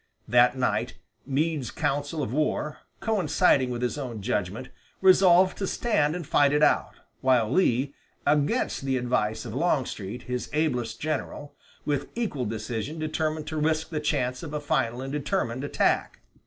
That night, Meade's council of war, coinciding with his own judgment, resolved to stand and fight it out; while Lee, against the advice of Longstreet, his ablest general, with equal decision determined to risk the chance of a final and determined attack.